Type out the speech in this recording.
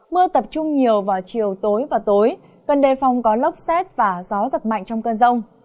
mưa tập trung nhiều vào chiều tối và tối cần đề phòng có lốc xét và gió giật mạnh trong cơn rông